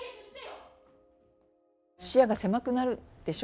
視野が狭くなるでしょ？